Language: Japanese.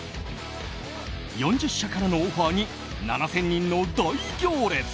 ４０社からのオファーに７０００人の大行列。